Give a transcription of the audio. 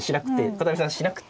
片上さんしなくて。